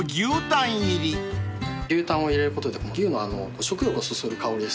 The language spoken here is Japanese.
牛タンを入れることで牛の食欲をそそる香りですね。